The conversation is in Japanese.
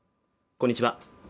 こんにちは